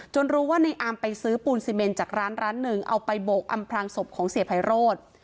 รู้ว่าในอามไปซื้อปูนซีเมนจากร้านร้านหนึ่งเอาไปโบกอำพลางศพของเสียไพโรธ